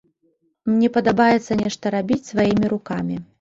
Мне падабаецца нешта рабіць сваімі рукамі.